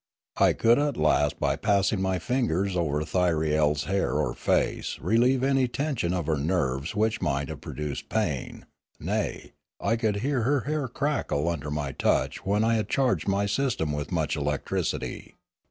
I could at last by passing my fingers over Thyriel's hair or face relieve any tension of her nerves which might have produced pain; nay, I could hear her hair crackle under my touch when I had charged my system with much electricity.